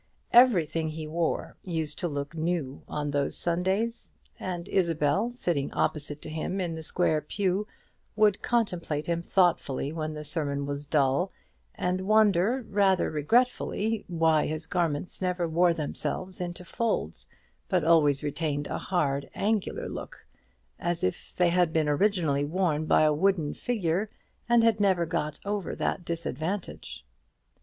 Everything he wore used to look new on these Sundays; and Isabel, sitting opposite to him in the square pew would contemplate him thoughtfully when the sermon was dull, and wonder, rather regretfully, why his garments never wore themselves into folds, but always retained a hard angular look, as if they had been originally worn by a wooden figure, and had never got over that disadvantage.